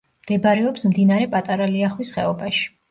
მდებარეობს მდინარე პატარა ლიახვის ხეობაში.